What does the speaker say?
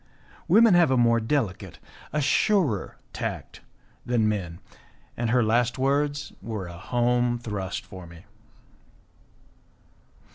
Women have a more delicate, a surer tact than men, and her last words were a home thrust for me.